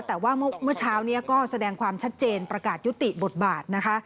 แต่ว่าเมื่อเช้านี้ก็แสดงความชัดเจนประกาศยุติบทบาทนะคะ